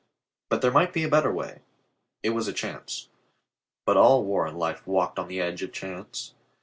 But there might be a better way. It was a chance. But all war and life walked on the edge of chance.